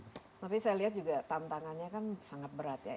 tapi saya lihat juga tantangannya kan sangat berat ya